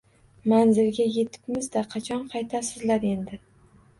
-Manzilga yetibmizda. Qachon qaytasizlar endi?